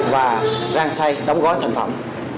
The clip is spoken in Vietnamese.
và giang xay đóng gói thành phẩm